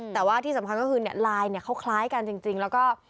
แต่ว่าที่สำคัญก็คือไลน์เขาคล้ายกันจริงแล้วก็